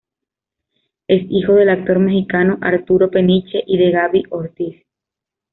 Es hijo del actor mexicano Arturo Peniche y de Gaby Ortiz.